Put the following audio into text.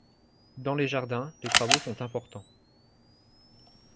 Dans les jardins, les travaux sont importants.